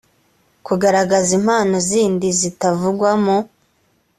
kugaragaza impamvu zindi zitavugwa mu